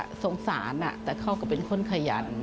ก็สงสารแต่เขาก็เป็นคนขยัน